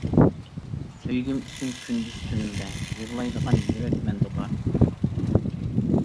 سۆيگۈم ئۈچۈن كۈندۈز تۈنۈمدە، يىغلايدىغان يۈرەك مەندە بار.